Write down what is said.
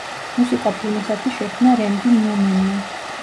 მუსიკა ფილმისათვის შექმნა რენდი ნიუმენმა.